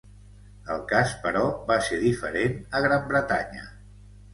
El cas, però, va ser diferent a Gran Bretanya.